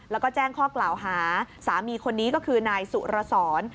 แล้วก็แจ้งข้อกล่าวหาสามีคนนี้ก็คือนายสุรสร